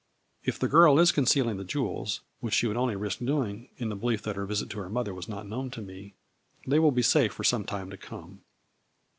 If the girl is concealing the jewels (which she would only risk doing in the belief that her visit to her mother was not known to me) they will be safe for some time to come.